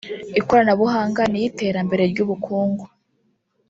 ikoranabuhanga n’iy’iterambere ry’ubukungu